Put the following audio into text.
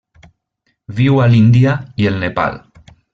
Viu a l'Índia i el Nepal.